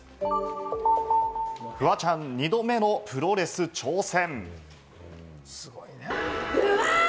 フワちゃん二度目のプロレス挑戦。